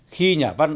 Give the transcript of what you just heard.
khi nhà văn